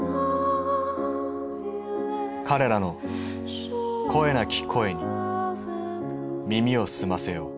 彼らの声なき声に耳を澄ませよう。